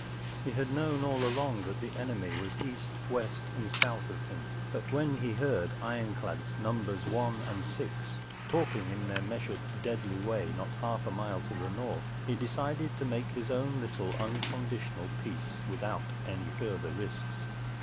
He had known all along that the enemy was east, west, and south of him, but when he heard war ironclads Num¬ bers One and Six talking in their measured, deadly way not half a mile to the north he decided to make his own little unconditional peace without any further risks.